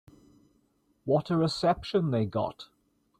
What a reception they got.